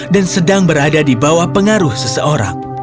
dan sedang berada di bawah pengaruh seseorang